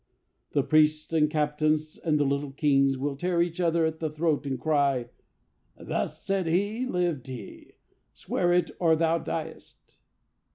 "The priests and captains and the little kings Will tear each other at the throat and cry: 'Thus said he, lived he; swear it or thou diest!'